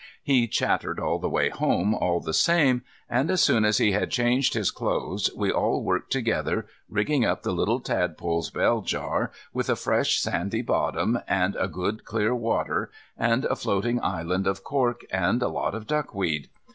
He chattered all the way home all the same, and as soon as he had changed his clothes we all worked together, rigging up the old tadpoles bell jar with a fresh sandy bottom, and good clear water, and a floating island of cork, and a lot of duckweed.